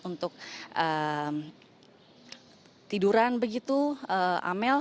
untuk tiduran begitu amel